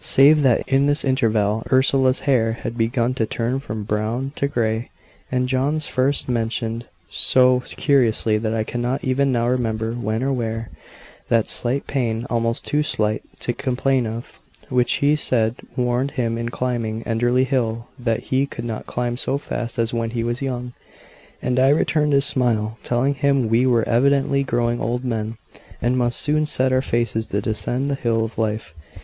Save that in this interval Ursula's hair had begun to turn from brown to grey; and John first mentioned, so cursorily that I cannot even now remember when or where, that slight pain, almost too slight to complain of, which he said warned him in climbing Enderley Hill that he could not climb so fast as when he was young. And I returned his smile, telling him we were evidently growing old men; and must soon set our faces to descend the hill of life.